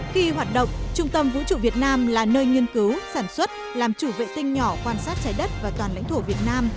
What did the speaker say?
khi hoạt động trung tâm vũ trụ việt nam là nơi nghiên cứu sản xuất làm chủ vệ tinh nhỏ quan sát trái đất và toàn lãnh thổ việt nam